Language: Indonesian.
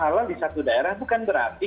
kalau di satu daerah bukan berarti